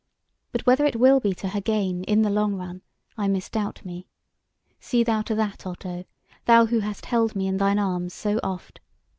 But whether it will be to her gain in the long run, I misdoubt me. See thou to that, Otto! thou who hast held me in thine arms so oft.